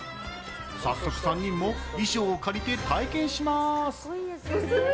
早速３人も衣装を借りて体験します。